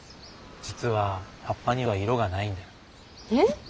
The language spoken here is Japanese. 実は葉っぱには色がないんだよ。えっ？